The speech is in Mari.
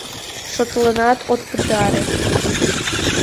Шотленат от пытаре.